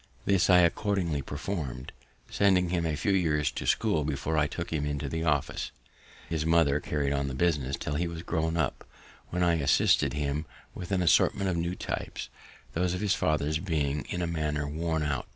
This I accordingly perform'd, sending him a few years to school before I took him into the office. His mother carried on the business till he was grown up, when I assisted him with an assortment of new types, those of his father being in a manner worn out.